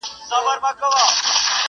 په لومړۍ شپه وو خپل خدای ته ژړېدلی.!